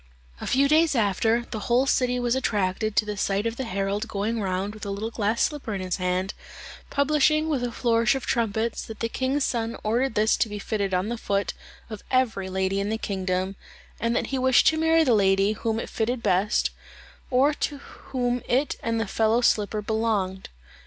A few days after, the whole city was attracted by the sight of a herald going round with a little glass slipper in his hand, publishing, with a flourish of trumpets, that the king's son ordered this to be fitted on the foot of every lady in the kingdom, and that he wished to marry the lady whom it fitted best, or to whom it and the fellow slipper belonged.